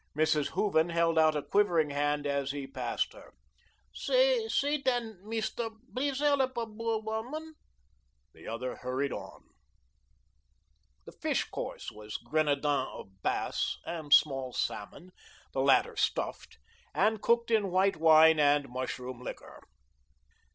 Mrs. Hooven held out a quivering hand as he passed her. "Say, say, den, Meest'r, blease hellup a boor womun." The other hurried on. The fish course was grenadins of bass and small salmon, the latter stuffed, and cooked in white wine and mushroom liquor.